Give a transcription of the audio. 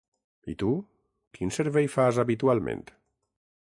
I tu, quin servei fas habitualment?